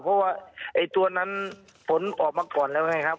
เพราะว่าไอ้ตัวนั้นผลออกมาก่อนแล้วไงครับ